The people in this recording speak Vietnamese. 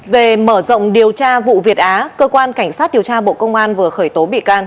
về mở rộng điều tra vụ việt á cơ quan cảnh sát điều tra bộ công an vừa khởi tố bị can